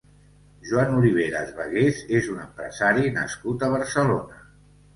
Joan Oliveras Bagués és un empresari nascut a Barcelona.